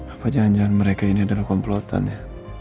apa jangan jangan mereka ini adalah komplotan ya